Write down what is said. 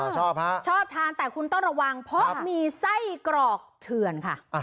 ชอบฮะชอบทานแต่คุณต้องระวังเพราะมีไส้กรอกเถื่อนค่ะ